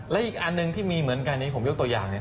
และอีกอันหนึ่งที่มีเหมือนกันนี้ผมยกตัวอย่างเนี่ย